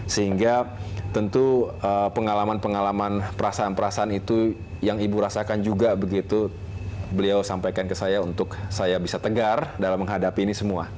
sehingga tentu pengalaman pengalaman perasaan perasaan itu yang ibu rasakan juga begitu beliau sampaikan ke saya untuk saya bisa tegar dalam menghadapi ini semua